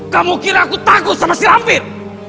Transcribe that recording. kamu kira aku takut sama si afid